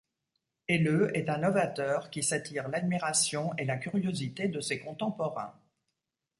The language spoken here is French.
Helleu est un novateur qui s’attire l’admiration et la curiosité de ses contemporains.